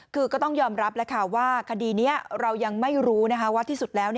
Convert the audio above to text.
คือก็ต้องยอมรับแล้วค่ะว่าคดีนี้เรายังไม่รู้ว่าที่สุดแล้ว